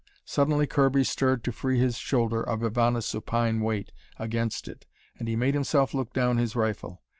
Suddenly Kirby stirred to free his shoulder of Ivana's supine weight against it, and he made himself look down his rifle.